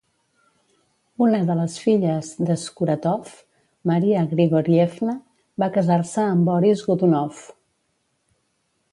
Una de les filles de Skuratov, Maria Grigorievna, va casar-se amb Boris Godunov.